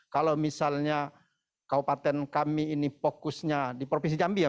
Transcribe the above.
kalau misalnya kabupaten kami ini fokusnya di provinsi jambi ya